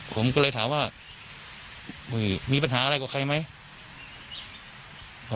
ผมก็เลยถามว่ามีปัญหาอะไรกับใครไหม